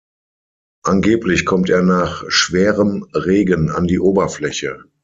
Angeblich kommt er nach schwerem Regen an die Oberfläche.